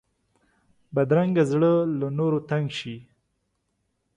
بدرنګه زړه له نورو تنګ شي